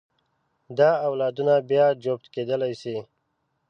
دا اولادونه بیا هم جفت کېدلی شي.